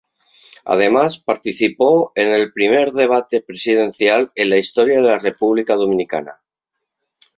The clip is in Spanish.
Además participó en el primer debate presidencial en la historia de la República Dominicana.